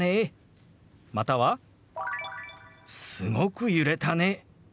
または「すごく揺れたね」。